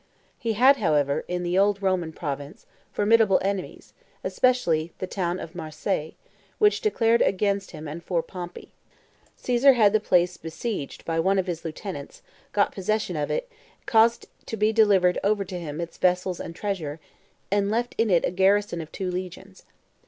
He had, however, in the old Roman province, formidable enemies, especially the town of Marseilles, which declared against him and for Pompey. Caesar had the place besieged by one of his lieutenants, got possession of it, caused to be delivered over to him its vessels and treasure, and left in it a garrison of two legions.